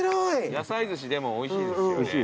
野菜ずしでもおいしいですよね。